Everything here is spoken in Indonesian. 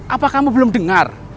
apa kamu belum dengar